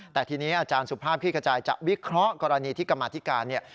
แต่ทีนี้อาจารย์สุภาพขี้กระจายจะวิเคราะห์กรณีที่กรรมาธิการเนี่ย